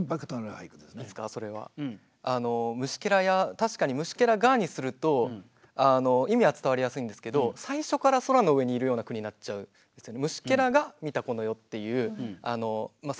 確かに「虫螻が」にすると意味は伝わりやすいんですけど最初から空の上にいるような句になっちゃうんですよね。